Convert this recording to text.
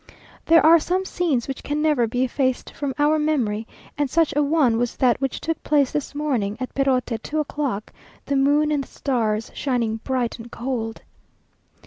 There are some scenes which can never be effaced from our memory, and such a one was that which took place this morning at Perote at two o'clock, the moon and the stars shining bright and cold.